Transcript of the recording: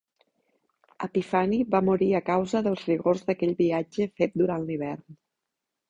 Epifani va morir a causa dels rigors d'aquell viatge fet durant l'hivern.